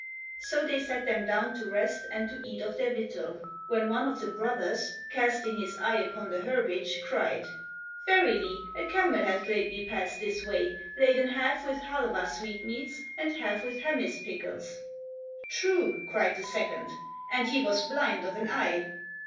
So they sat them down to rest and to eat of their victual, when one of the brothers, casting his eye upon the herbage, cried, "Verily a camel hath lately passed this way laden half with Halwa sweetmeats and half with Hamiz pickles." "True," cried the second, "and he was blind of an eye.'